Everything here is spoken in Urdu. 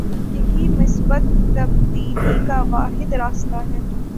یہی مثبت تبدیلی کا واحد راستہ ہے۔